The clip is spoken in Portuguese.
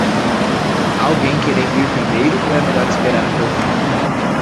Há alguém querendo ir primeiro ou é melhor esperar até o fim?